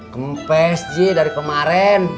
kempes ji dari kemaren